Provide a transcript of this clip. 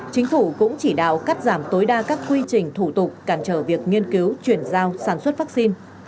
chính phủ cũng chỉ đạo cắt giảm tối đa các quy trình thủ tục cản trở việc nghiên cứu chuyển giao sản xuất vaccine